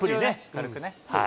軽くね。